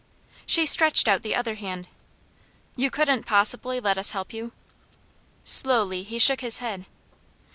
She stretched out the other hand. "You couldn't possibly let us help you?" Slowly he shook his head.